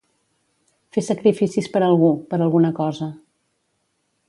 Fer sacrificis per algú, per alguna cosa.